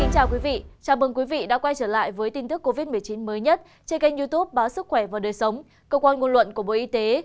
chào mừng quý vị đã quay trở lại với tin tức covid một mươi chín mới nhất trên kênh youtube báo sức khỏe và đời sống cơ quan ngôn luận của bộ y tế